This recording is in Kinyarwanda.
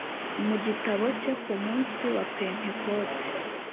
Mu gitabo cye ku munsi wa Pentekote